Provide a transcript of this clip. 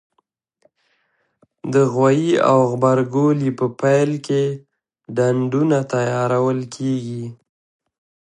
د غويي او غبرګولي په پیل کې ډنډونه تیارول کېږي.